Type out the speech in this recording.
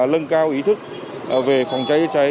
lâng cao ý thức về phòng cháy cháy